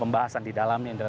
pembahasan di dalamnya indra